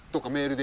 で